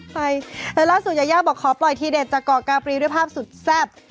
ไปแล้วล่าสุดยายาบอกขอปล่อยทีเด็ดจากเกาะกาปรีด้วยภาพสุดแซ่บ